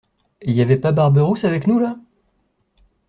Y avait pas barbe rousse avec nous là?